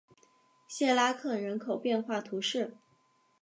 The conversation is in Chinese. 谢拉克人口变化图示